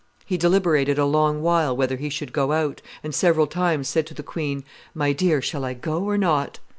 He deliberated a long while whether he should go out, and several times said to the queen, 'My dear, shall I go or not?